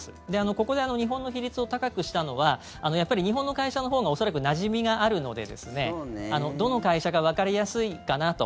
ここで日本の比率を高くしたのはやっぱり日本の会社のほうが恐らくなじみがあるのでどの会社かわかりやすいかなと。